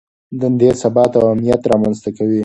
دندې ثبات او امنیت رامنځته کوي.